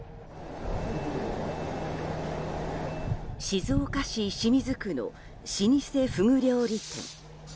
静岡市清水区の老舗フグ料理店。